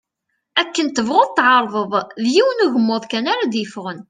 Akken tebɣuḍ tεerḍeḍ, d yiwen ugmuḍ kan ara d-yeffɣen.